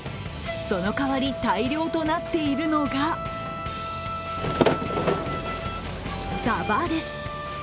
その代わり大漁となっているのがさばです。